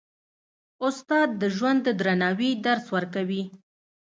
استاد د ژوند د درناوي درس ورکوي.